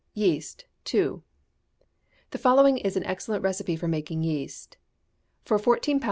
Yeast (2). The following is an excellent recipe for making yeast: For 14 lbs.